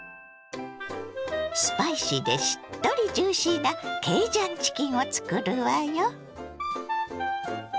スパイシーでしっとりジューシーなケイジャンチキンを作るわよ！